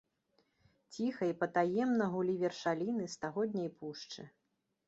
Ціха і патаемна гулі вершаліны стагодняй пушчы.